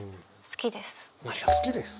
「好きです」？